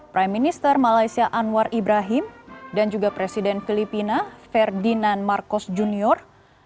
prime minister malaysia anwar ibrahim dan juga presiden filipina ferdinand marcos junior